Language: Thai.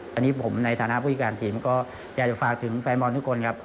วันนี้ผมในฐานะภูมิการทีมก็จะฝากถึงแฟนบอลทุกคนครับ